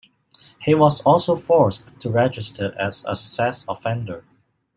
He was also forced to register as a sex offender.